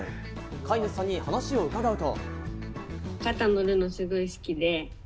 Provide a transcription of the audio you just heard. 飼い主さんに話を伺うと。